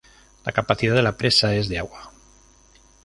La capacidad de la presa es de de agua.